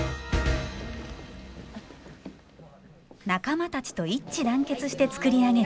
仲間たちと一致団結して作り上げるステージ。